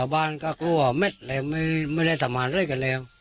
บอกว่าตอนนี้